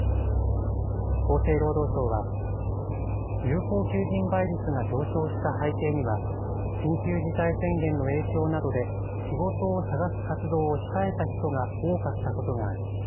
厚生労働省は有効求人倍率が上昇した背景には緊急事態宣言の影響などで仕事を探す活動を控えた人が多かったことがある。